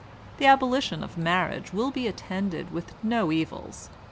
••. The abolition of marriage will be attended with no evils.